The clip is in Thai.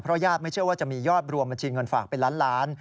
ญาติไม่เชื่อว่าจะมียอดรวมบัญชีเงินฝากเป็นล้านล้าน